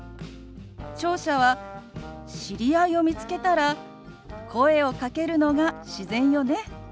聴者は知り合いを見つけたら声をかけるのが自然よね。